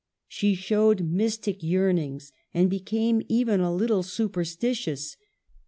She showed mystic yearnings, and became even a little superstitious.